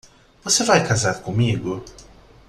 Você vai casar comigo?